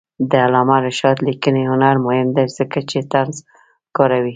د علامه رشاد لیکنی هنر مهم دی ځکه چې طنز کاروي.